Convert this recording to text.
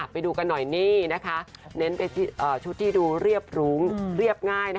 ไปดูกันหน่อยนี่นะคะเน้นไปชุดที่ดูเรียบรุ้งเรียบง่าย